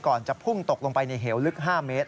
จะพุ่งตกลงไปในเหวลึก๕เมตร